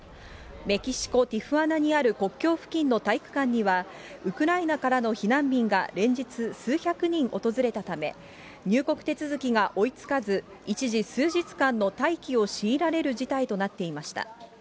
メキシコ・ティフアナにある国境付近の体育館には、ウクライナからの避難民が連日、数百人訪れたため、入国手続きが追いつかず、一時、数日間の待機を強いられる事態となっていました。